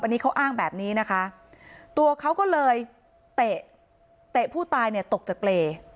อันนี้เขาอ้างแบบนี้นะคะตัวเขาก็เลยเตะผู้ตายตกจากเกร